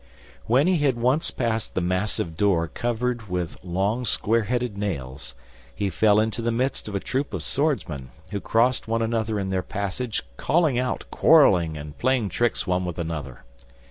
When he had once passed the massive door covered with long square headed nails, he fell into the midst of a troop of swordsmen, who crossed one another in their passage, calling out, quarreling, and playing tricks one with another.